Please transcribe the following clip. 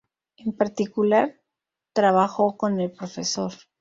En particular, trabajó con el Prof.